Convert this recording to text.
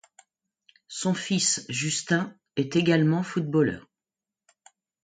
Son fils, Justin, est également footballeur.